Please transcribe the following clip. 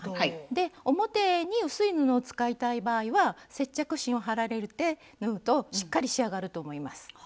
で表に薄い布を使いたい場合は接着芯を貼られて縫うとしっかり仕上がると思います。